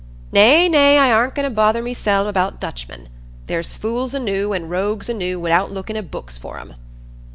Nay, nay, I aren't goin' to bother mysen about Dutchmen. There's fools enoo, an' rogues enoo, wi'out lookin' i' books for 'em."